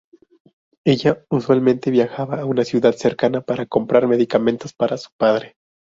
Ella usualmente viajaba a una ciudad cercana para comprar medicamentos para su padre.